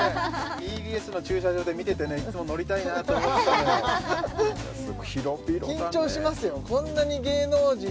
ＴＢＳの駐車場で見ててねいっつも乗りたいなって思ってたのよ